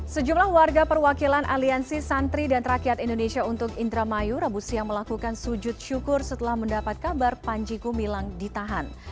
sejumlah warga perwakilan aliansi santri dan rakyat indonesia untuk indramayu rabu siang melakukan sujud syukur setelah mendapat kabar panji gumilang ditahan